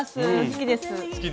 好きです。